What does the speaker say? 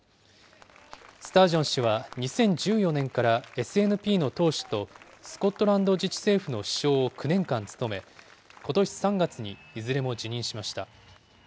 スタージョン氏は２０１４年からＳＮＰの党首とスコットランド自治政府の首相を９年間務め、ことし３月にいずれも辞任しました。